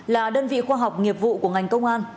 là đơn vị khoa học nghiệp vụ của ngành công an